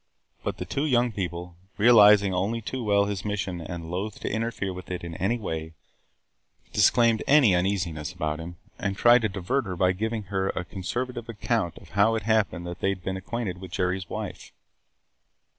But the two young people, realizing only too well his mission and loath to interfere with it in any way, disclaimed any uneasiness about him and tried to divert her by giving her a conservative account of how it happened that they had been acquainted with Jerry's wife.